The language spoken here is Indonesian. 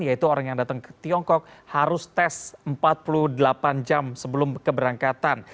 yaitu orang yang datang ke tiongkok harus tes empat puluh delapan jam sebelum keberangkatan